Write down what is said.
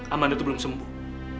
amanda itu belum sembuh